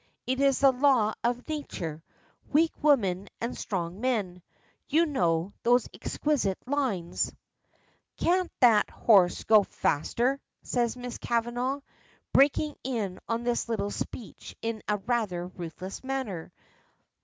It is the law of nature weak woman and strong man! You know those exquisite lines " "Can't that horse go faster?" said Miss Kavanagh, breaking in on this little speech in a rather ruthless manner.